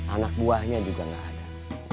anak buahnya juga nggak ada